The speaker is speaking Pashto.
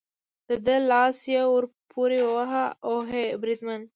د ده لاس یې ور پورې وواهه، اوهې، بریدمن.